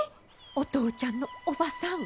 お父ちゃんの叔母さん。